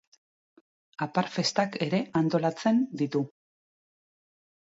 Apar festak ere antolatzen ditu.